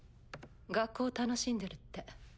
学校楽しんでるって。